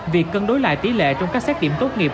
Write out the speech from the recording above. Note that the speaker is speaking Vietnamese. việc cân đối lại tỷ lệ trong các xét điểm tốt nghiệp